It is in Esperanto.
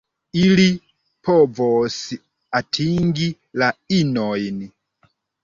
Ili povos atingi la inojn.